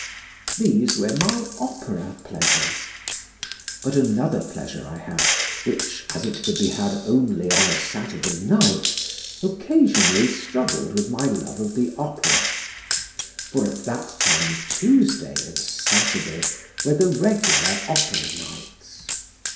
These were my opera pleasures; but another pleasure I had which, as it could be had only on a Saturday night, occasionally struggled with my love of the Opera; for at that time Tuesday and Saturday were the regular opera nights.